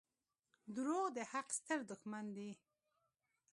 • دروغ د حق ستر دښمن دي.